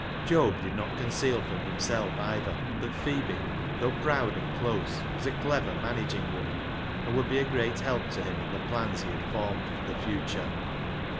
Job did not conceal from himself, either, that Phebe, though proud and close, was a clever, managing woman, and would be a great help to him in the plans he had formed for the future.